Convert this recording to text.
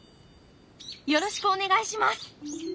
よろしくお願いします。